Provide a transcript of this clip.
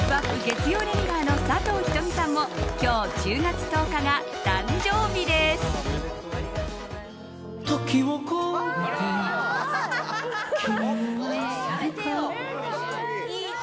月曜レギュラーの佐藤仁美さんも今日、１０月１０日が誕生日です！